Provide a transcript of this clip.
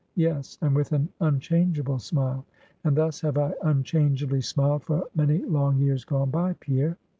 yes, and with an unchangeable smile; and thus have I unchangeably smiled for many long years gone by, Pierre.